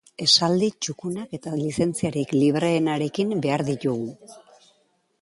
Esaldi txukunak eta lizentziarik libreenarekin behar ditugu.